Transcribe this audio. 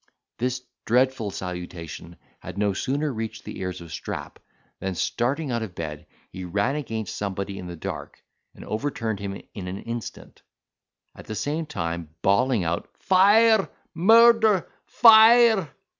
This dreadful salutation had no sooner reached the ears of Strap than, starting out of bed, he ran against somebody in the dark, and overturned him in an instant; at the same time bawling out, "Fire! murder! fire!"